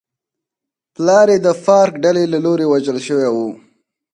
پلار یې د فارک ډلې له لوري وژل شوی و.